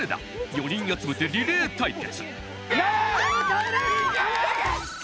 ４人集めてリレー対決いけー！